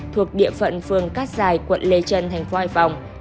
thuộc địa phận phường cát dài quận lê trân thành phố hải phòng